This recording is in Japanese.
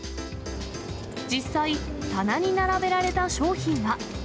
実際、棚に並べられた商品は。